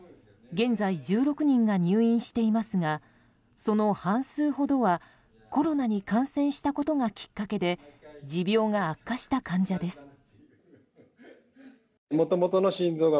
現在１６人が入院していますがその半数ほどはコロナに感染したことがきっかけで持病が悪化した患者です。